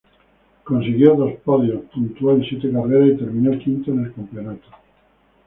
Consiguió dos podios, puntuó en siete carreras y terminó quinto en el campeonato.